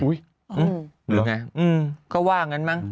หรือไงก็ว่างั้นมั้ง